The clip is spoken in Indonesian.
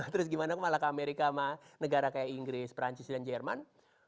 terus gimana malah ke amerika sama negara kayak inggris perancis dan jerman